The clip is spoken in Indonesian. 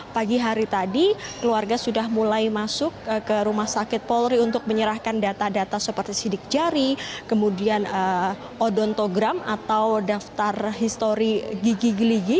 pagi hari tadi keluarga sudah mulai masuk ke rumah sakit polri untuk menyerahkan data data seperti sidik jari kemudian odontogram atau daftar histori gigi giligi